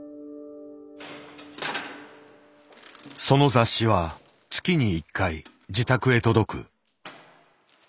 その雑誌は月に一回自宅へ届く。